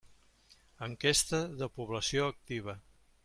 Enquesta de Població Activa.